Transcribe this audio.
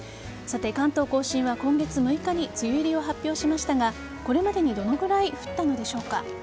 さて、関東甲信は今月６日に梅雨入りを発表しましたがこれまでにどのくらい降ったのでしょうか。